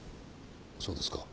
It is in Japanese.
そうですか？